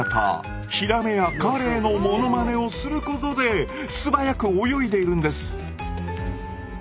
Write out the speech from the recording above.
ヒラメやカレイのものまねをすることで素早く泳いでいるんです。